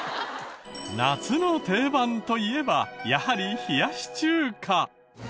夏の定番といえばやはり冷やし中華。